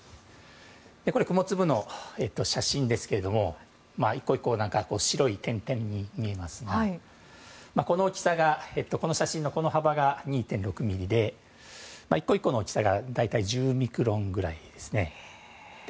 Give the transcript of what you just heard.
これは雲粒の写真ですけど１個１個白い点々があってこの写真の幅が２．６ｍｍで１個１個の大きさが大体１０ミクロンぐらいですね。